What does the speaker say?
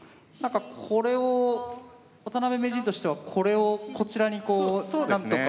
これを渡辺名人としてはこれをこちらにこうなんとか。